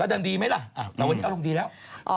แล้วดันดีไหมล่ะอารมณ์ดีแล้ว